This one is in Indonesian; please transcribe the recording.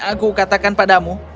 aku katakan padamu